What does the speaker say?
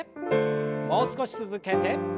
もう少し続けて。